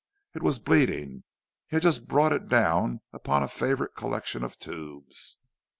It was bleeding; he had just brought it down upon a favorite collection of tubes.